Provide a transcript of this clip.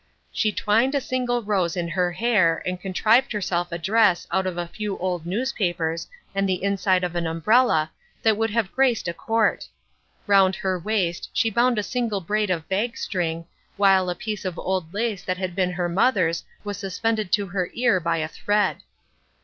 She twined a single rose in her hair and contrived herself a dress out of a few old newspapers and the inside of an umbrella that would have graced a court. Round her waist she bound a single braid of bagstring, while a piece of old lace that had been her mother's was suspended to her ear by a thread.